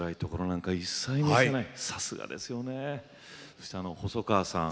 そして細川さん。